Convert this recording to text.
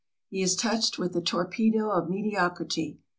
He is touched with the torpedo of mediocrity.